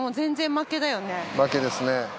負けですね。